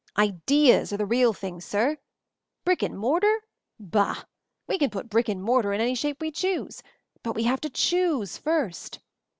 Ideas are the real things, sir! Brick and mortar? Bah! We can put brick and mortar in any shape we choose — but we have to choose first!